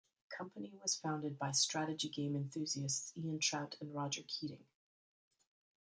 The company was founded by strategy game enthusiasts Ian Trout and Roger Keating.